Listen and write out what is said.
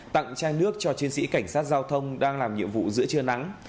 tặng chai nước cho chiến sĩ cảnh sát giao thông đang làm nhiệm vụ giữa trưa nắng